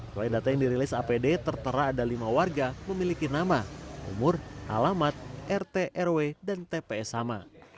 selain data yang dirilis apd tertera ada lima warga memiliki nama umur alamat rt rw dan tps sama